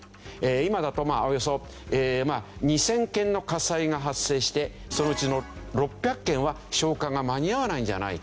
今だとおよそ２０００件の火災が発生してそのうちの６００件は消火が間に合わないんじゃないか。